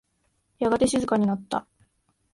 やがて静かになった。